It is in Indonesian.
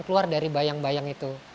keluar dari bayang bayang itu